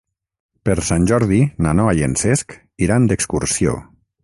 Per Sant Jordi na Noa i en Cesc iran d'excursió.